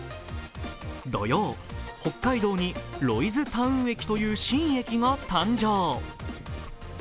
土曜、北海道にロイズタウン駅という新駅が誕生。